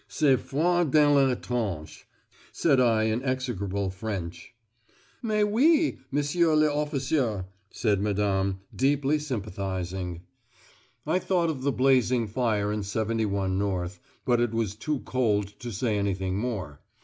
"C'est froid dans les tranchés," said I in execrable French. "Mais oui, m'sieur l'officier," said Madame, deeply sympathising. I thought of the blazing fire in 71 North, but it was too cold to say anything more.